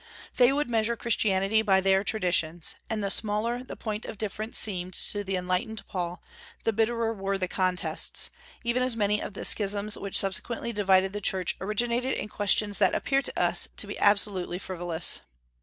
They would measure Christianity by their traditions; and the smaller the point of difference seemed to the enlightened Paul, the bitterer were the contests, even as many of the schisms which subsequently divided the Church originated in questions that appear to us to be absolutely frivolous.